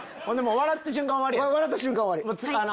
笑った瞬間終わり。